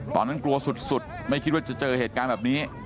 ตอนนั้นกลัวสุดไม่คิดว่าจะเจอเหตุการณ์แบบนี้